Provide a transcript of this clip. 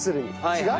違う？